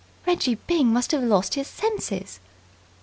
"Reggie Byng must have lost his senses."